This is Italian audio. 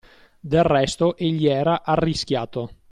Del resto egli era arrischiato